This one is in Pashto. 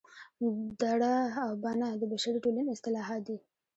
دړه او بنه د بشري ټولنې اصطلاحات دي